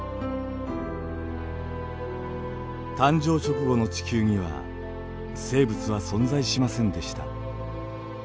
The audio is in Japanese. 誕生直後の地球には生物は存在しませんでした。